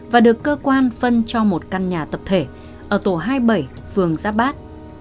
và được cơ quan phân cho một căn nhà tập thể ở tổ hai mươi bảy phường giáp bát